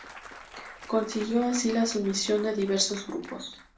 Consiguió así la sumisión de diversos grupos.